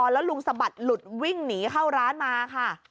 แล้วลุงสะบัดหลุดวิ่งหนีเข้าร้านมาค่ะ